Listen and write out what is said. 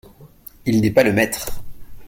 Il n'est pas le maître.